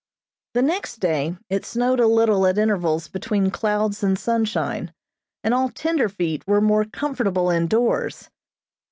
The next day it still snowed a little at intervals between clouds and sunshine, and all "tenderfeet" were more comfortable indoors.